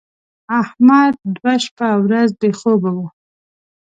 احمد دوه شپه او ورځ بې خوبه و.